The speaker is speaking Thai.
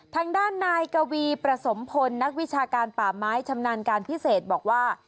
ทางด้านนายกวีประสมพลนักวิชาการป่าไม้ชำนาญการพิเศษบอกว่า